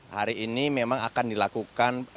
hari ini memang akan dilakukan